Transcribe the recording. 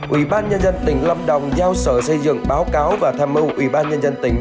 ủy ban nhân dân tỉnh lâm đồng giao sở xây dựng báo cáo và tham mưu ủy ban nhân dân tỉnh